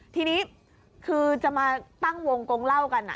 ทีนี้คือจะมาตั้งวงกงเล่ากัน